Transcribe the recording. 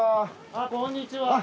あっこんにちは。